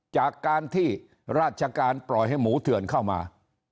จากการที่ราชการปล่อยให้หมูเถื่อนเข้ามา